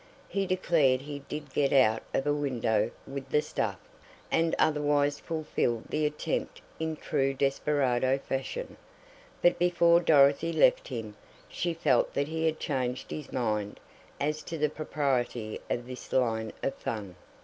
He declared he did get out of a window with the stuff, and otherwise fulfilled the attempt in true desperado fashion, but before Dorothy left him, she felt that he had changed his mind as to the propriety of this line of "fun."